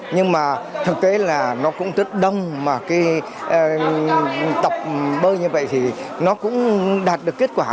nhưng mà thực tế là nó cũng rất đông mà cái tập bơi như vậy thì nó cũng đạt được kết quả